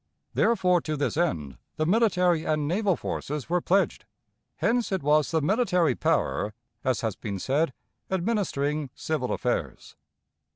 Therefore, to this end the military and naval forces were pledged. Hence it was the military power, as has been said, administering civil affairs.